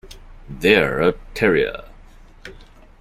They're a Terrier.